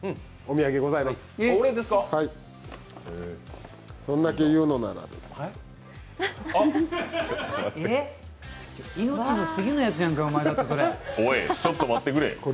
おい、ちょっと待ってくれ。